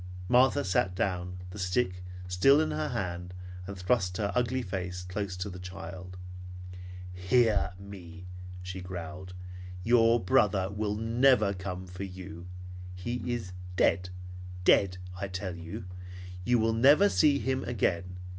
Martha sat down, the stick still in her hand, and thrust her ugly face close to the child's. "Hear me!" she growled. "Your brother will never come for you. He is dead. Dead, I tell you! You will never see him again.